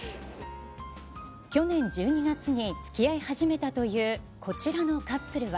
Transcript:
去年１２月につきあい始めたというこちらのカップルは。